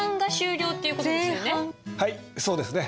はいそうですね。